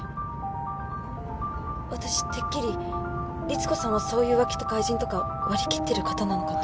私てっきりリツコさんはそういう浮気とか愛人とか割り切ってる方なのかと。